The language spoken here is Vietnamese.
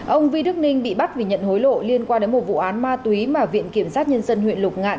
ông vi đức ninh bị bắt vì nhận hối lộ liên quan đến một vụ án ma túy mà viện kiểm sát nhân dân huyện lục ngạn